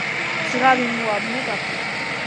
ძღაბი მუ ამბე გაფუნა